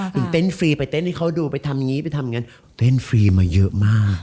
จึงเต้นฟรีไปเง้อมาเยอะมาก